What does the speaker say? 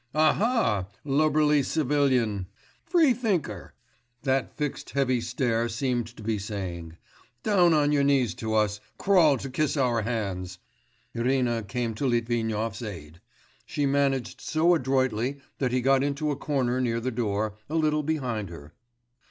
'Aha! lubberly civilian! free thinker!' that fixed heavy stare seemed to be saying: 'down on your knees to us; crawl to kiss our hands!' Irina came to Litvinov's aid. She managed so adroitly that he got into a corner near the door, a little behind her.